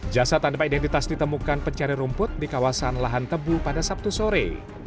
jasad tanpa identitas ditemukan pencari rumput di kawasan lahan tebu pada sabtu sore